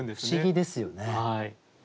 不思議ですよね。